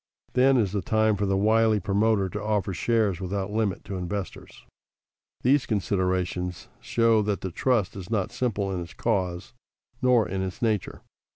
Then is the time for the wily promoter to offer shares without limit to investors. These considerations show that the trust is not simple in its cause, nor in its nature.